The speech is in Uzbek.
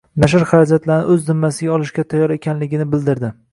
nashr xarajatlarini o‘z zimmasiga olishga tayyor ekanligini bildirdi...